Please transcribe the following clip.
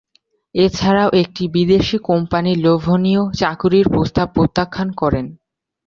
এছাড়াও একটি বিদেশী কোম্পানির লোভনীয় চাকুরির প্রস্তাব প্রত্যাখ্যান করেন।